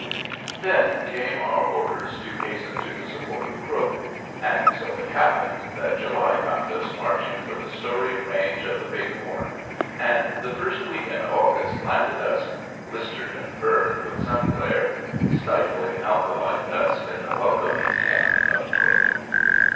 Then came our orders to hasten to the support of Crook, and so it happened that July found us marching for the storied range of the Big Horn, and the first week in August landed us, blistered and burned with sun glare and stifling alkali dust, in the welcoming camp of Crook.